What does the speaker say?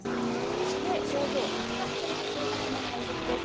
そして、症状を悪化させない生活も大切です。